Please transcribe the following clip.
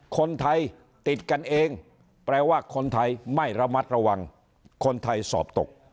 คนไทยติดกันเองแปลว่าคนไทยไม่ระมัดระวังคนไทยสอบตก